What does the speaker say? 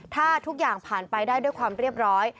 ถ้าทุกอย่างผ่านไปได้ด้วยความเรียบร้อย